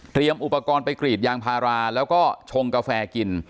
อุปกรณ์ไปกรีดยางพาราแล้วก็ชงกาแฟกิน